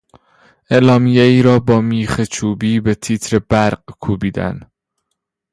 اعلامیهای را با میخ چوبی به تیر برق کوبیدن